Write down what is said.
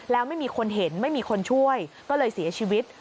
แล้วไม่มีคนเห็นไม่มีคนช่วยก็เลยเสียชีวิต